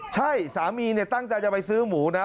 ใช่สามีเนี่ยตั้งใจจะไปซื้อหมูนะ